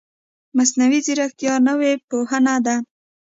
مصنوعي ځیرکتیا نوې پوهنه ده